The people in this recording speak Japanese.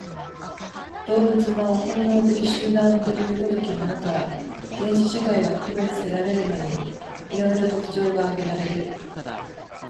動物の本能的集団という如きものから、原始社会が区別せられるのに、色々特徴が挙げられる。